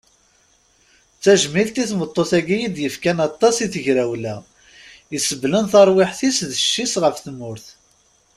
D tajmilt i tmeṭṭut-agi id yefkan aṭas i tegrawla, i iseblen tarwiḥt-is d cci-s ɣef tmurt.